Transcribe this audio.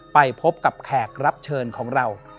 ไปพบกับแขกรับเชิญของเรา